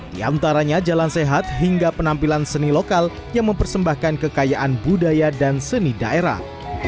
di antaranya jalan sehat hingga penampilan seni lokal yang mempersembahkan kekayaan budaya dan seni daerah